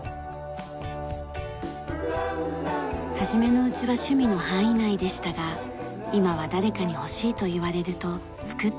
初めのうちは趣味の範囲内でしたが今は誰かに欲しいと言われると作ってあげます。